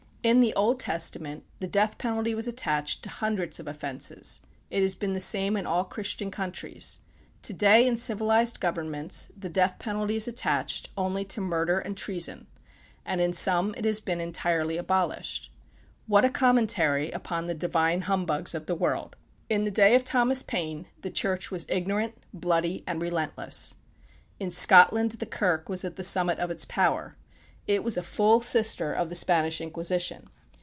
In the Old Testament, the death penalty was attached to hundreds of offences. It has been the same in all Christian countries. To day, in civilized governments, the death penalty is attached only to murder and treason; and in some, it has been entirely abolished. What a commentary upon the divine humbugs of the world! In the day of Thomas Paine the Church was ignorant, bloody and relentless. In Scotland the "Kirk" was at the summit of its power. It was a full sister of the Spanish Inquisition.